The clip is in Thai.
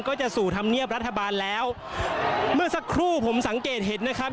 ก็จะสู่ธรรมเนียบรัฐบาลแล้วเมื่อสักครู่ผมสังเกตเห็นนะครับ